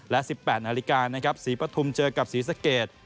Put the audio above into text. และ๑๘นาฬิกาสีปะทุมเจอกับสีสะเกด